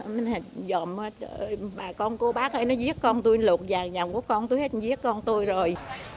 mình dọn mất bà con cô bác ấy nó giết con tôi luộc vàng giọng của con tôi hết giết con tôi rồi